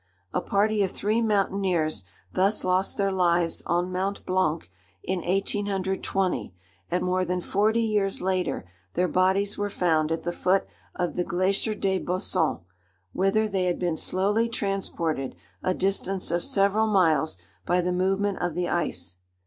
A party of three mountaineers thus lost their lives on Mount Blanc in 1820, and more than forty years later their bodies were found at the foot of the Glacier des Bossons, whither they had been slowly transported, a distance of several miles, by the movement of the ice.